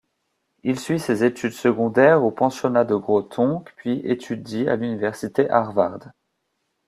Il suit ses études secondaires au pensionnat de Groton puis étudie à l'université Harvard.